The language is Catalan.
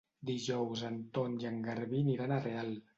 Dijous en Ton i en Garbí aniran a Real.